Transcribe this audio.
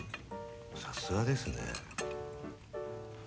さすがですね。